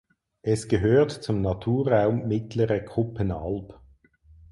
Es gehört zum Naturraum Mittlere Kuppenalb.